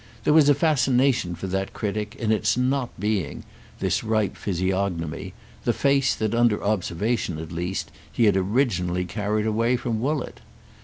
There was a fascination for that critic in its not being, this ripe physiognomy, the face that, under observation at least, he had originally carried away from Woollett.